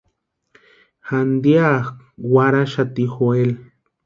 Jantianku warhaxati Joel.